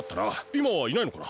いまはいないのかな？